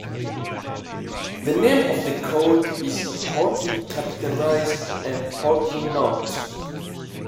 The name of the "Code" is partly capitalized and partly not.